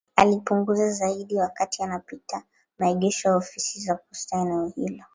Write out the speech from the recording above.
Alipunguza zaidi wakati anapita maegesho ya ofisi za posta eneo hilo